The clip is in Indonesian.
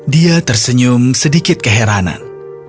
dia tersenyum sedikit keheranan